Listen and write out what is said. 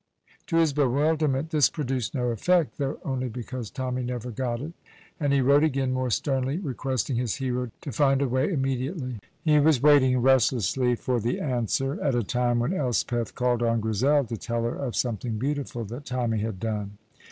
To his bewilderment, this produced no effect, though only because Tommy never got it, and he wrote again, more sternly, requesting his hero to find a way immediately. He was waiting restlessly for the answer at a time when Elspeth called on Grizel to tell her of something beautiful that Tommy had done.